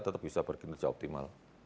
tetap bisa berkinerja optimal